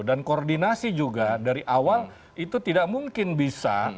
dan koordinasi juga dari awal itu tidak mungkin bisa